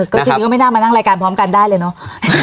ก็จริงก็ไม่น่ามานั่งรายการพร้อมกันได้เลยเนอะ